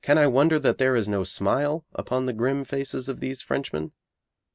Can I wonder that there is no smile upon the grim faces of these Frenchmen!